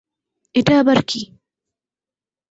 এটা আবার কি?